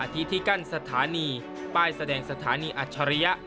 อธิษฐีกรรมสถานีป้ายแสดงสถานีอัชริยะ